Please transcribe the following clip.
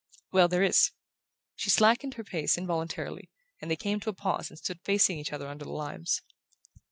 "Well, there is." She slackened her pace involuntarily, and they came to a pause and stood facing each other under the limes.